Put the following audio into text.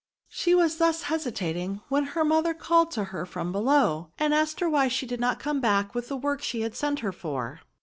She was thus hesitating when her mother called to her from below^ and asked her why she did not come back with the work she had sent her for.